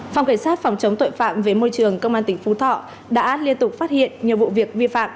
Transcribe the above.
phòng cảnh sát phòng chống tội phạm về môi trường công an tỉnh phú thọ đã liên tục phát hiện nhiều vụ việc vi phạm